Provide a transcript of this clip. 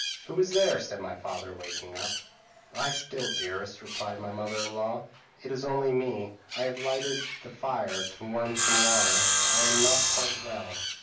p> "'Who is there?' said my father, waking up. "'Lie still, dearest,' replied my mother in law; 'it is only me; I have lighted the fire to warm some water; I am not quite well.'